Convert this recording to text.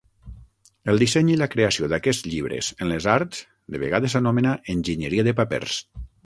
El disseny i la creació d'aquests llibres en les arts de vegades s'anomena "enginyeria de papers".